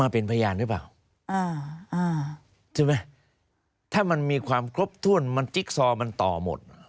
เป็นพยานหรือเปล่าใช่ไหมถ้ามันมีความครบถ้วนมันจิ๊กซอมันต่อหมด